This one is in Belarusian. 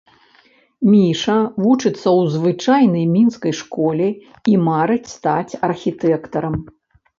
Міша вучыцца ў звычайнай мінскай школе і марыць стаць архітэктарам.